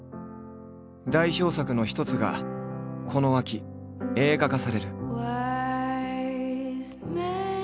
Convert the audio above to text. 代表作の一つがこの秋映画化される。